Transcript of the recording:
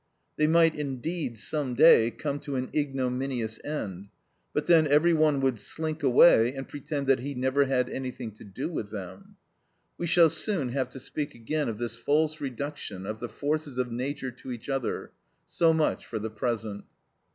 They might indeed, some day, come to an ignominious end; but then every one would slink away and pretend that he never had anything to do with them. We shall soon have to speak again of this false reduction of the forces of nature to each other; so much for the present.